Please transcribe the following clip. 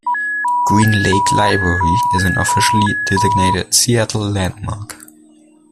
Green Lake Library is an officially designated Seattle landmark.